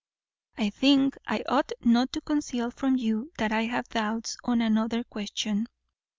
"I think I ought not to conceal from you that I have doubts on another question.